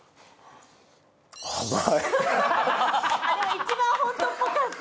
一番ホントっぽかった。